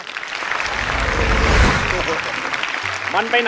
ด้วยค่ะ